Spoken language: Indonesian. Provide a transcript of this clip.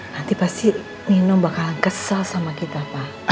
nanti pasti nino bakalan kesel sama kita pak